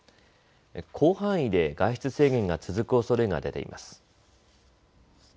広範囲で外出制限が続くおそれが出ています。